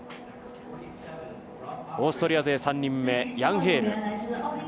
オーストリア勢３人目ヤン・ヘール。